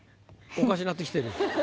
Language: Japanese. おかしなってきてるよ。